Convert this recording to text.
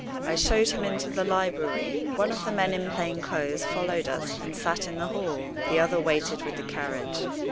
I showed him into the library. One of the men in plain clothes followed us, and sat in the hall. The other waited with the carriage.